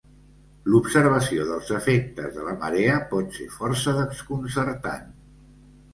L'observació dels efectes de la marea pot ser força desconcertant.